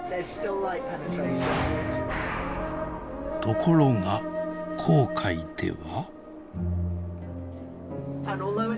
ところが紅海では。